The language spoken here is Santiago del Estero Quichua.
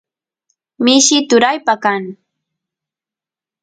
mishi turaypa kan